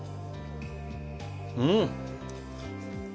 うん。